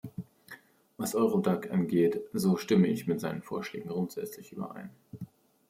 Was Eurodac angeht, so stimme ich mit seinen Vorschlägen grundsätzlich überein.